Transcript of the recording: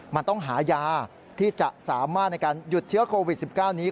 มันต้องหายาที่จะสามารถในการหยุดเชื้อโควิด๑๙นี้